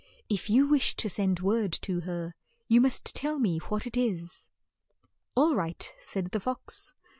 If you wish to send word to her, you must tell me what it is." "All right," said the fox.